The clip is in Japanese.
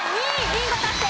ビンゴ達成。